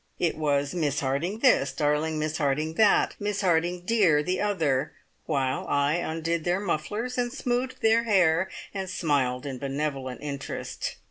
It was "Miss Harding, this; darling Miss Harding, that; Miss Harding, dear, the other," while I undid their mufflers, and smoothed their hair, and smiled in benevolent interest.